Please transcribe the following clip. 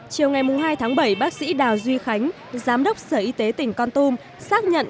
chiều ngày hai tháng bảy bác sĩ đào duy khánh giám đốc sở y tế tỉnh con tung